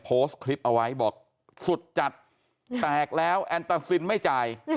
โพสต์คลิปเอาไว้บอกสุดจัดแตกแล้วแอนตาซินไม่จ่าย